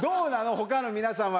他の皆さんは。